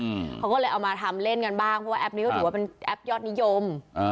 อืมเขาก็เลยเอามาทำเล่นกันบ้างเพราะว่าแป๊ปนี้ก็ถือว่าเป็นแอปยอดนิยมอ่า